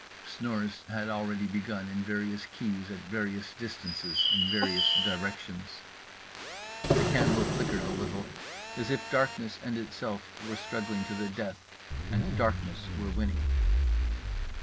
Snores had already begun in various keys at various distances in various directions. The candle flickered a little; as if darkness and itself were struggling to the death, and darkness were winning.